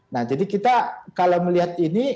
nah jadi kita kalau melihat ini